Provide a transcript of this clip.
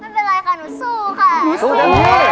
ไม่เป็นไรค่ะหนูสู้ค่ะ